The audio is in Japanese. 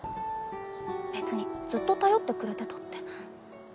別にずっと頼ってくれてたって。